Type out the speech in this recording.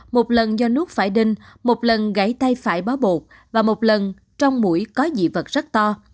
một lần do nuốt phải đinh một lần gãy tay phải bó bột và một lần trong mũi có dị vật rất to